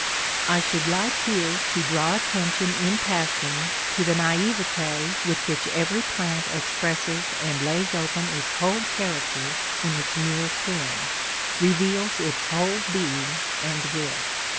I should like here to draw attention in passing to the naïveté with which every plant expresses and lays open its whole character in its mere form, reveals its whole being and will.